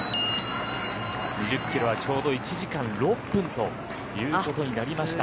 ２０キロはちょうど１時間６分ということになりました。